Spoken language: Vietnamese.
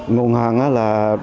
nguồn hàng đó là